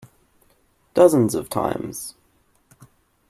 Dozens of times.